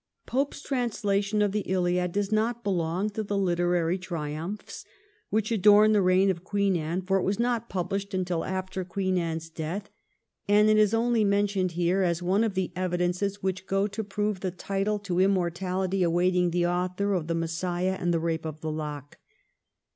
Pope's translation of the ' Iliad ' does not belong to the literary triumphs which adorn the reign of Queen Anne, for it was not published until after Anne's death ; and it is only mentioned here as one 1712 14 POPE'S SATIRES. 243 of the evidences which go to prove the title to im mortality awaiting the author of ' The Messiah ' and ' The Eape of the Lock.'